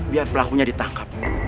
biar pelakunya ditangkap